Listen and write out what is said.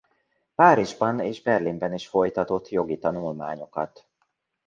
Párizsban és Berlinben is folytatott jogi tanulmányokat.